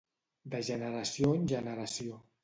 De generació en generació.